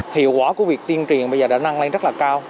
hiệu quả của việc tiên triền bây giờ đã năng lên rất là cao